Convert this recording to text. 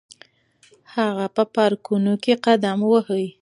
هغه به په پارکونو کې قدم وهي.